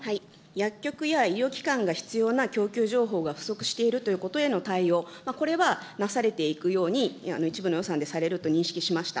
薬局や医療機関が必要な供給情報が不足しているということへの対応、これはなされていくように、一部の予算でされると認識しました。